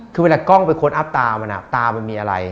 คือเวลากล้องไปค้นอัพตามันตามันมีอะไร